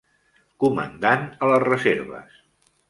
Comandant a les reserves.